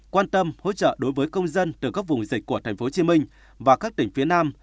quan tâm hỗ trợ đối với công dân từ các vùng dịch của tp hcm và các tỉnh phía nam